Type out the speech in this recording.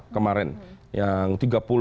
kemarin yang tiga puluh